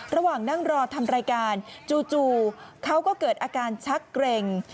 ระหว่างนั่งรอทำรายการจู่เขาก็เกิดอาการชักเกร็ง